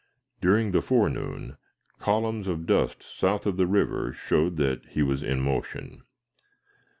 During the forenoon, columns of dust south of the river showed that he was in motion.